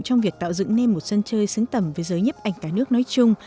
trong việc tạo dựng nên một sân chơi xứng tầm với giới nhấp ảnh cả nước nói chung